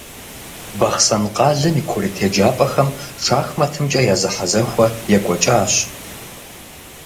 Бахъсэн къалэм и курыт еджапӀэхэм шахматымкӀэ я зэхьэзэхуэ екӀуэкӀащ.